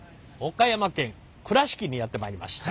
岡山県倉敷にやって参りました。